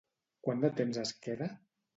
Quant de temps es queda?